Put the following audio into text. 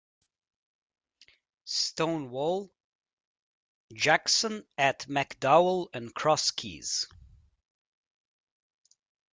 "Stonewall" Jackson at McDowell and Cross Keys.